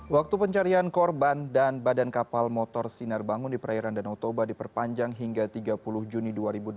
waktu pencarian korban dan badan kapal motor sinar bangun di perairan danau toba diperpanjang hingga tiga puluh juni dua ribu delapan belas